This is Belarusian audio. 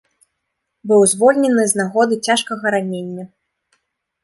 Быў звольнены з нагоды цяжкага ранення.